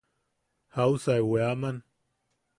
¿Jausa e weaman?